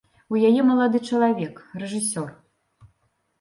У яе малады чалавек, рэжысёр.